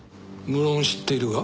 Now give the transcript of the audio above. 無論知っているが。